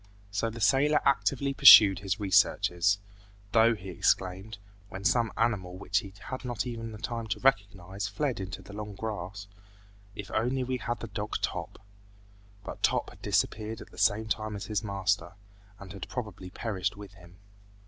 So the sailor actively pursued his researches, though he exclaimed, when some animal which he had not even time to recognize fled into the long grass, "If only we had had the dog Top!" But Top had disappeared at the same time as his master, and had probably perished with him.